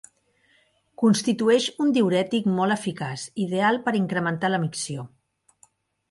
Constitueix un diürètic molt eficaç, ideal per incrementar la micció.